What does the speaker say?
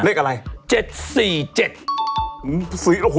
เลขอะไร